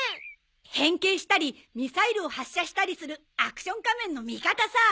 変形したりミサイルを発射したりするアクション仮面の味方さ！